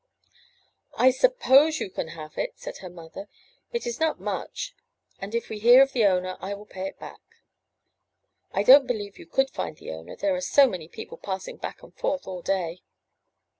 *'I' suppose you can have it,'* said her mother; ''it is not much, and if we hear of the owner I will pay it back. I don't believe you could find the owner, there are so many people passing back and forth all day."